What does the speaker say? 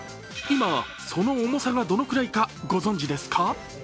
今、その重さがどのくらいかご存じですか？